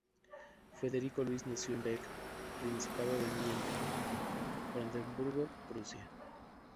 Federico Luis nació en Beck, Principado de Minden, Brandeburgo-Prusia.